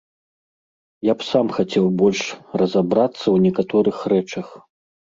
Я б сам хацеў больш разабрацца ў некаторых рэчах.